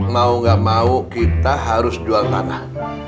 mau gak mau kita harus jual tanah